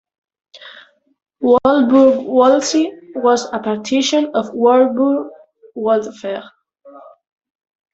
Waldburg-Waldsee was a partition of Waldburg-Wolfegg.